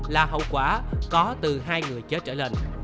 là hậu quả có từ hai người chết trở lên